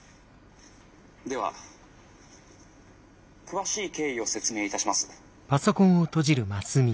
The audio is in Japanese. では詳しい経緯を説明いたします」。